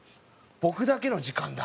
僕だけの時間だ！